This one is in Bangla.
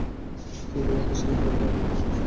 ছেলেবেলা হতে সেখানে যাবারই আয়োজন করা গেছে।